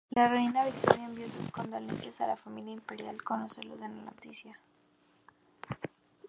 La reina Victoria envió sus condolencias a la familia imperial al conocer la noticia.